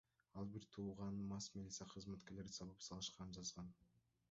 Ал бир тууганын мас милиция кызматкерлери сабап салышканын жазган.